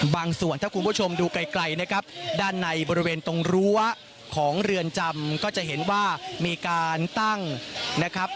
บางส่วนถ้าคุณผู้ชมดูไกลนะครับ